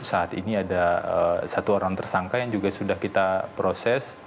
saat ini ada satu orang tersangka yang juga sudah kita proses